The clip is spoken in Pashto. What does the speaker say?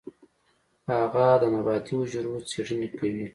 اگه د نباتي حجرو څېړنې کوي.